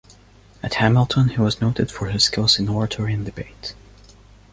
At Hamilton, he was noted for his skills in oratory and debate.